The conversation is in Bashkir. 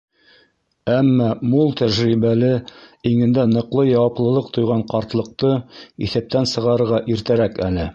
Әммә мул тәжрибәле, иңендә ныҡлы яуаплылыҡ тойған ҡартлыҡты иҫәптән сығарырға иртәрәк әле.